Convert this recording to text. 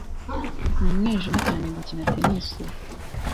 Ni umwijima cyane gukina tennis ubu.